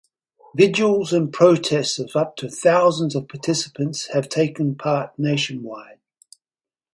Vigils and protests of up to thousands of participants have taken part nationwide.